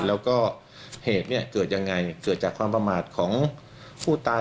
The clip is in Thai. แล้วก็เหตุเนี่ยเกิดยังไงเกิดจากความประมาทของผู้ตาย